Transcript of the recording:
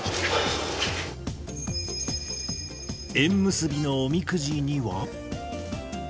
縁結びのおみくじには。